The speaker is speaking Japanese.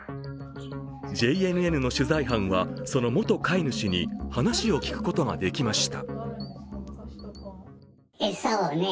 ＪＮＮの取材班は、その元飼い主に話を聞くことができました。